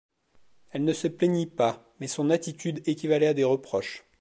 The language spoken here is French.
Elle ne se plaignit pas, mais son attitude équivalait à des reproches.